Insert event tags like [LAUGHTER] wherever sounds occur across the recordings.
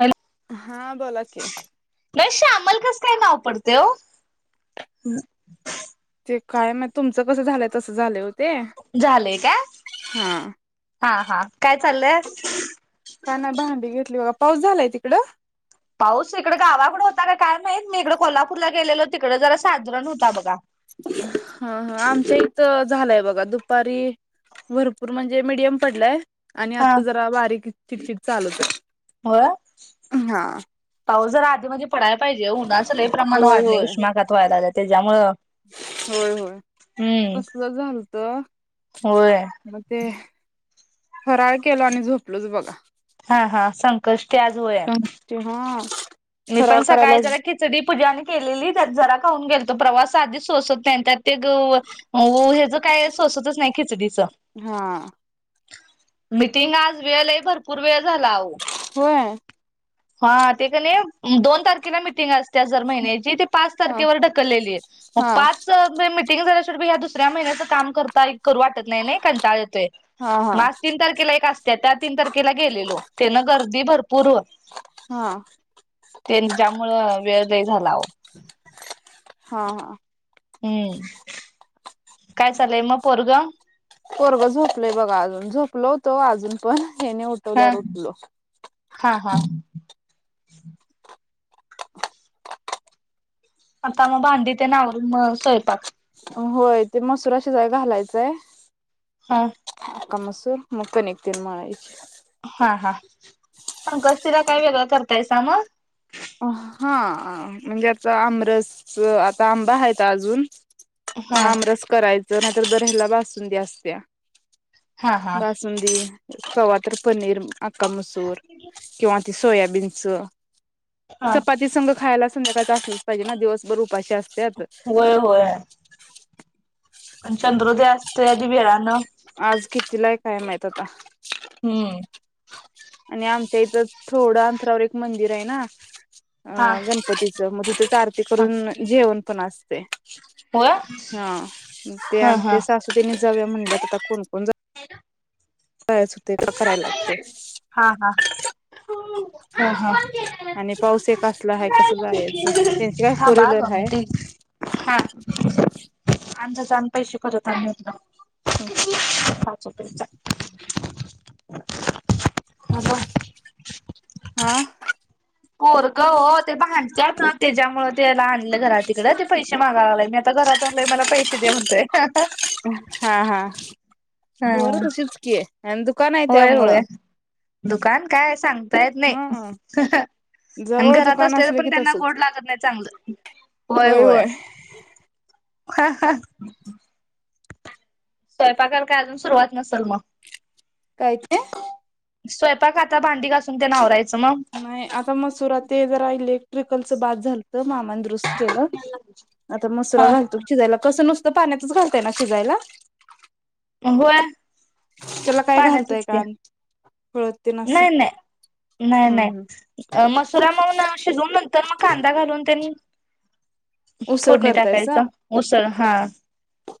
Hello हा बोला कि तुम्हाला कसं काय नाव पडतय हो? काय मग तुमचं कसं झालंय तसं झालंय झालंय का? हा हा काय चाललंय? काना भांडी घेतली बघा पाऊस झालाय तिकडं पाऊस इकडे गावाकड होता काय माहीत मी इकडे कोल्हापूरला गेलेलो तिकडे जरास हा ह आमच्या झालंय बघा दुपारी भरपूर म्हणजे मीडियम पडलाय आणि हा आत्ता जरा बारीक चीड चीड चालूच हाय. होय, पाऊस जरा आधी मधी पडायला पाहिजे उन्हाच लय प्रमाण होय वाढलय होय उष्माघात व्हायलय त्याच्यामुळ होय होय कसल झालत, होय मग ते फराळ केल आणि झोपलोच बघा. हा हा संकष्टी आज होय [UNINTELLIGIBLE] मी फराळ पण करायला सकाळी जरा खिचडी पूजान केलेली ते जरा खाऊन गेल प्रवास आधीच सोसत नाही त्या ते ग ह्याच काय सोसतच नाही खिचडीच. हा मिटिंग आज वेळ लय भरपूर वेळ झाला आओ होय हा ते कनी दोन तारखेला मिीटिंग असते. जर महिन्याची ते पाच हा तारेखेवर ढकलेली मग हा पाच ह्या दुसऱ्या महिन्याच काम करताय करू वाटत नाही नाही कंटाळ येतोय. हा म हा आज तीन तारखेला एक असत्या त्या तीन तारखेला गेलेलो तेन गर्दी भरपूर हा तेज्यामुळ वेळ लय झाला आओ. हा हा हम्म, काय चालय मग पोरगं पोरग झोपलंय बघा अजून, झोपल होत अजून पण हेेनी उठवल्यावर उठल. हा हा [UNINTELLIGIBLE] आता मग भांडी ते आवरून म स्वयंपाक? होय ते मसूरा शिजाय घालायचंय. हा अक्का मसूर, म कणिक तेन मळायची. हा हा, संकष्टीला काय वेगळ करतायसा म हा म्हणजे आता आमरस आता आंबा हायत अजून म हा आमरस करायच जर हायला बासुंदी असत्या. हा हा बासुंदी कवा तर पनीर अका मसूर किंवा सोयाबीनच हा चपाती संघ खायला संध्याकाळच असलच पाहिजे ना दिवसभर उपाशी अस होय होय.. अन चंद्रोदय असतोय आधी वेळान कितीलाय काय माहीत आता. हम्म आणि आमच्या इथं थोडं अंतरावर एक मंदिर आहे ना. अ हा. गणपतीचं! मग तिथच आरती ह करून जेवण पण अस ते होय हा ते हा हा. आमच्या सासुबाईनी जाऊया म्हणल्यात, आता कोण कोण जातया? होतय का करायला लागतेय. हा हा हा हा. आणि पावस येत असला आह कसं जायाच, त्यांचे काय फोर थांबा व्हीलर दोन हाय. मिनिटे अंदाजाने पैसे परत आणून घेतलो [INAUDIBLE] [INAUDIBLE] [INAUDIBLE] हा पोर. हो हो, ते भांडंत्यात त्याच्यामुळ तेला आणलं घरा तिकड ते पैसे पैशे मागायला लागल, आता घरात असल्या वर मला पैसे दे म्हणतोय हा हा. हा पोर तशीच की. आणि दुकान आहे होय होय त्यामुळं दुकान काय सांगता येत हा नाही, आणि जवळ घरात दुकान असले तर की पण त्यांना तसच गोड लागत नाही चांगलं, होय होय. स्वयंपाकाला काय अजून सुरुवात नसल म. काय ते? स्वयपाक आता भांडी घासून ते आवरायचं. मग. नाही, आता मसुरात ते ज रायले. ट्रिकलच बास झालत मामांनी दुरुस्त केल, आता मसुरा हा. घालतो शिजायला कस नसत पण पाण्यातच घालताय ना शिजायला. होय. त्याला काय घालताय पाण्यातच की, का आणि हळद तेन असं नाही नाही नाही हम्म हम्म नाही, मसुरा मव ना शिजवून नंतर मग कांदा घालून तेन उसळ फोडणी करतायसा टाकायचं, उसळ हा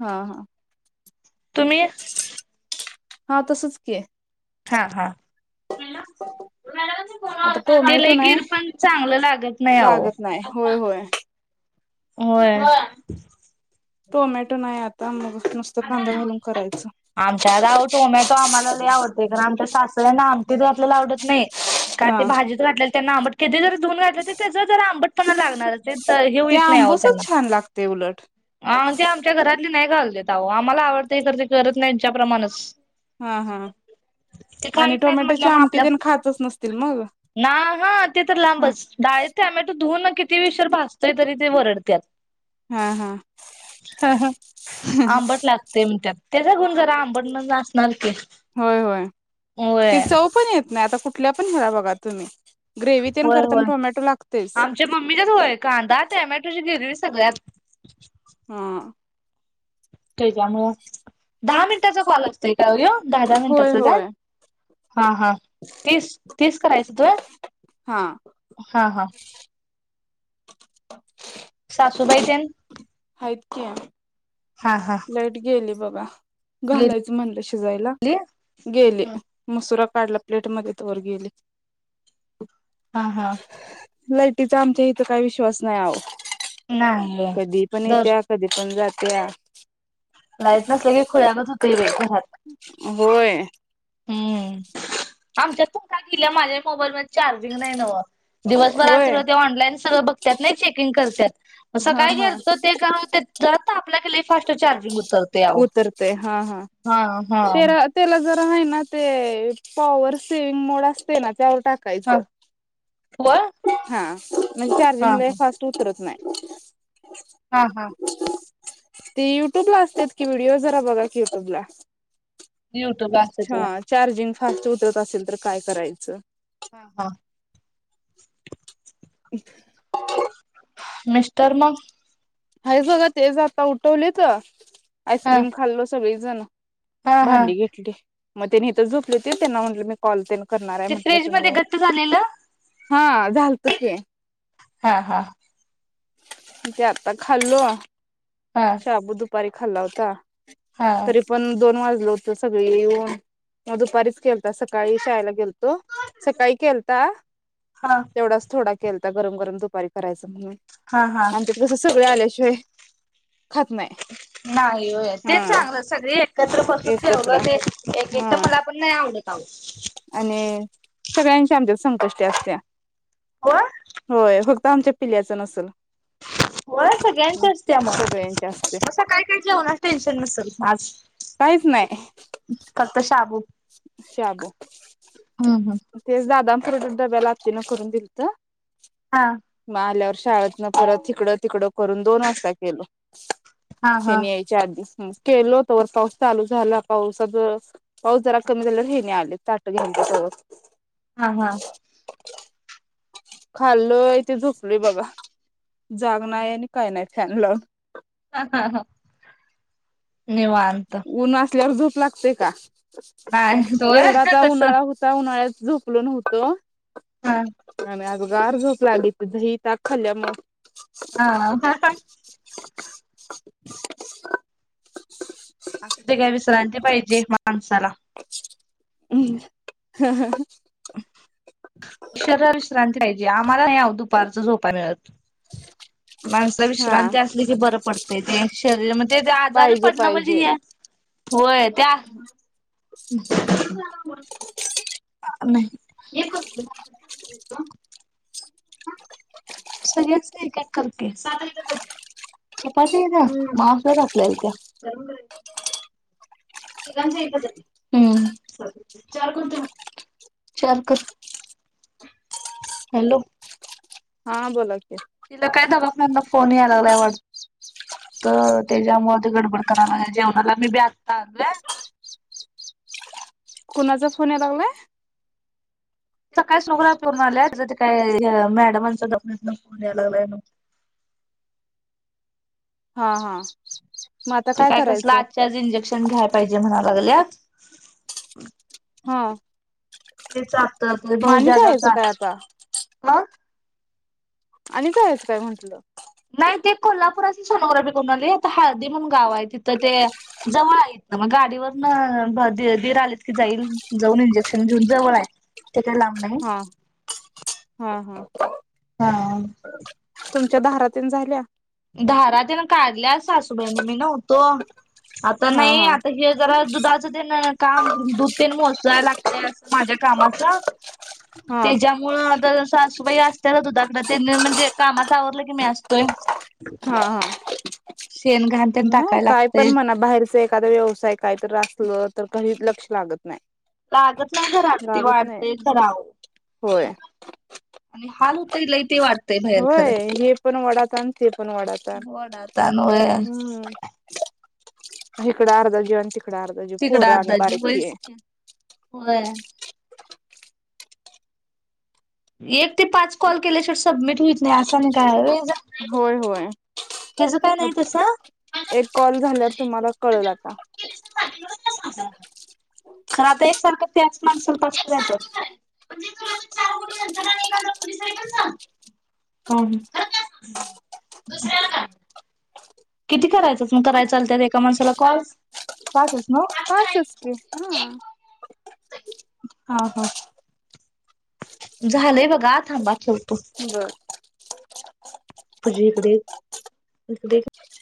हा हा. तुम्ही हा तसच की! हा हा आता ते टोमॅटो लई नाही गिर पण चांगलं लागत नाही आहो, लागत नाही होय होय होय. टोमॅटो नाही आता मग नुसतं कांदा घालून करायचं आमच्या गाव टोमॅटो आम्हाला लई आवडते, कारण आमच्या सासऱ्यांना ते तर आपल्याला आवडत नाही. का हा ते भाजीत घातलेले त्यांना आंबट किती जर धुऊन घातलं त्याचा तर जरा आंबट पुन्हा लागणारचेत. तर हे ते होइत नाही अहो आंबूसच त्यांना, छान लागते उलट आन् ते आमच्या घरात नाही घालत्यात. आहो आम्हाला आवडतं तर ते करत नाही ह्यांच्या प्रमाणच हा हा ते आणि खाइत नाहीत टोमॅटोची म्हटल्यावर म आमटी आपल्या तेन खातच नसतील मग ना ह ते तर ह लांबचं डाळीत टोमॅटो धुवून किती विषर भाजतय तरी ते वरडत्या. हा हा. ह आंबट लागतय म्हणत्यात, त्याच्याहून जरा आंबट ना असणारच. होय होय, ती चव पण येत नाही आता कुठ कुठल्या पण घरा बघा तुम्ही. ग्रेव्ही तेन करताना होय-होय, टोमॅटो लागतेच आमच्या मम्मीच्याच होय, कांदा टोमॅटोची वेगळीच सगळ्यात हा. त्याच्यामुळं, दहा मिनिटाचा कॉल आहे. काय यो, दहा-दहा होय मिनीटाचं का? होय हा हा तीच तीस करायचं होतो? हा. सासूबाई तेन हाईत की या हा हा लाईट गेली बघ. का, गेली घालायचं म्हणलं शिक, बईला गेले, मुसरत [UNINTELLIGIBLE] काढला प्लेट मध्ये, त वर गेले हा हा. लाईटीचा आमच्या इथं काही विश्वास नाही आहो. नाही कधी पण दर येत्या कधी पण जात [UNINTELLIGIBLE] लाईट नसलं की खुळ्यागत होतय बाई घरात होय हम्म आमच्या फोटा गेल्या माझ्या मोबाईल म चार्जिंग नाही नवं दिवसभर अस होय ते ऑनलाईन सगळं बघतात नाही चेकिंग करत हा सकाळी हा घेत ते कर जात आपल्या फास्ट चार्जिंग उतरतो याव उतरते हा हा हा तुम्ही ना ते पॉवर सेविंग मोड असते ना त्या हा टाकायचं व हा म्हणजे हा हा चार्जिंग लय फास्ट होत त नाही [UNINTELLIGIBLE] हा हा ती युट्यूब ला असते की व्हिडिओ जरा बघा की युट्यूबला युट्यूब असे तुला हा चार्जिंग फास्ट उतरत असेल तर काय करायचं हा हा [INAUDIBLE] मिस्टर मग हायेत बघा तेच आता उठवले तर हा आईस्क्रीम खाल्लो सगळे जाना हा हा भांडी घेतली मग त्यानी तर झोपले होते त्यांना म्हटलं मी कॉल करणार आहे ते म्हटलं फ्रिज मध्ये तुम्ही घट्ट झालेलं हा झालत ते हा हा ते आत्ता खाल्लो हा शाबू दुपारी खाल्ला होता हा तरी पण दोन वाजल होत सगळे येऊन मग दुपारीच केलता ता सकाळी शाळेला गेलतो सकाळी केलता हा तेवढाच थोडा केलता आता गरम गरम दुपारी करायचं म्हणून हा हा आमच्यात कस सगळ आल्या शे [INAUDIBLE] नाही होय ते चांगलं सगळे एकत्र बसून एकत्र ठेवलं ते एक एकट हा मला पण नाही आवडत. आहो आणि सगळ्यांचे आमच्या संकष्ट असत्या होय होय [INAUDIBLE] आमच्या पिल्याचं नसल. हो सगळ्यांचअसत्या म [INAUDIBLE] सगळ्यांच्या असते मग सकाळी जवना टेन्शन नसल मग आज काहीच नाही [INAUDIBLE] हो [INAUDIBLE] शाबू हम्म तेच दादा [INAUDIBLE] डब्याला आज तिनं करून दिलत हा म आल्यावर [INAUDIBLE] शाळेतन परत हिकडं तिकड करून दोन वाजता केलो हा हा हेनी यायच्या आधी केलो तवर पाऊस चालू झाला पावसा सगळ पाऊस जरा कमी झालावर हेनी आले ताट घेऊन बस हा हा खाल्लय ते झोपलोय बघा जाग नाही आणि काय नाही फॅन लाऊन ह ह ह निवांत ऊन असल्यावर झोप लागते का नाही होय एवढाचा तसं उन्हाळा होता उन्हाळ्यात झोपलो नव्हतो. हम आगं गार झोप लागली ती दही ताक खाल्ल्यामूळ हा [UNINTELLIGIBLE] [INAUDIBLE] असू दे ग विश्रांती पाहिजे माणसाला हम्म [INAUDIBLE] [UNINTELLIGIBLE] शरीराला विश्रांती पाहिजे. ते आम्हाला नाही आ ओ दुपारच झोपाय मिळत. माणस हा विश्रांती असली की बरं पडतेय ते, शरीर म्ह ते ते आजारी पाहिजे पडणं म्हणजे पाहिजे हे होय त्या [UNINTELLIGIBLE] अ नाही [UNINTELLIGIBLE] [UNINTELLIGIBLE] एकात कर की, [UNINTELLIGIBLE] म [UNINTELLIGIBLE] म अस घातलेल ते [UNINTELLIGIBLE] तिघांचं एकच आय ते, हम्म [UNINTELLIGIBLE] चार करतो मग, चार कर हॅलो हा बोला की तिला काय दवाखान्यातन फोन याय लागलाय वाटत तेज्यामुळ ते गडबड कराय, [UNINTELLIGIBLE] जेवणाला मी बी आता आलोय. कुणाचा फोन या लागलाय? च काय स्नो ग्रापी करून आल्यात, तिज त काय ह्य मॅडमांन दवखन्यातन फोन याय लागलाय न्हव. हा हा. मग आता ते काय कसलं करायचंय आजच्या आज इंजेक्शन घ्याय पाहिजे म्हणाल् लगल्यात. हा ते जात ते मग आणि बहुजी आल्यावर जायचं जा काय आता म आणि काय हेच काय म्हंटलं. नाई ते कोल्हापूरासन सोनोग्रापी करून आणली, आता हळदी म्हणून गाव हाय, तिथं ते जवळ हाय हितन मग गाडीवरन भ दी दीर आलेत की जाईल जाऊन इंजेक्शन घेऊन जवळ आय. ते काय लांब नई, हा हा हा हा तुमच्या धारा तेन झाल्या? धारातेन काढल्या सासूबाईंनी मी नव्हतो, आता हा नाई हा आता हे जरा दुधाचं तेन काम दुध तेन मोसाय लाग- [UNINTELLIGIBLE] माझ्या कामाचा हा तेज्यामुळं आता सासूबाई अस [UNINTELLIGIBLE] दुदाकडं तेन म्हणजे कामाच आवरलं की मी असतोय. हा हा. शेण घाण तेन नाय टाकाय काय पण लागतंय. म्हणा, बाहेरच एखाद व्यवसाय काय तर असल तर कधी हितल लागत नाय. लागत नाही [UNINTELLIGIBLE] ती वाडतेय खर आओ होय आणि हाल हुतंय लई ते वाटतय भैर होय खरं हे पण वडाताण ते पण वडाताण वडातान होय. हिकडं आर्ध जीव आन तिक तिकड अर्धा जीव व्हयच की होय. एक ते पाच कॉल केल्याशिवट सबमिट हुईत नई अस आणि काय हाय होय हेज होय होय. हेज काय नाही तसं? [UNINTELLIGIBLE] एक कॉल झाल्यावर तुम्हाला कळल आता खरं आता एक सारखंच त्याचं माणसाला पाच [UNINTELLIGIBLE] म्हणजे तो माणूस चार [UNINTELLIGIBLE] नंतरन आणि एक [UNINTELLIGIBLE] बोललीस तरी पण चाल हा [UNINTELLIGIBLE] किती करायचत मग कराय चालत्यात एका माणसाला कॉल? पाचच नव्ह पाचच की हा हा ह झालंय बघा थांबा की बर पुझे इकडे तडे